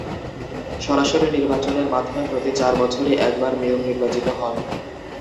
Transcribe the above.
সরাসরি নির্বাচনের মাধ্যমে প্রতি চার বছরে একবার মেয়র নির্বাচিত হন।